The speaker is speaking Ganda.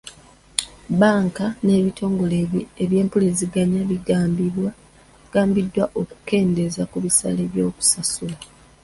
Bbanka n'ebitongole by'empuliziganya bigambiddwa okukendeeza ku bisale by'okusasula.